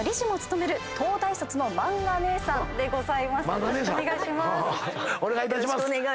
よろしくお願いします。